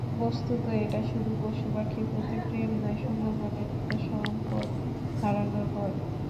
বস্তুত, এটা শুধু পশুপাখির প্রতি প্রেম নয়, সুন্দরবনের মতো সম্পদ হারানোর ভয়।